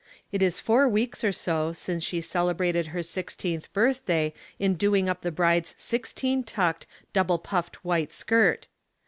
It is four weeks or so since she cele brated her sixteenth birthday in doing up the bride's sixteen tucked, double puffed white skirt.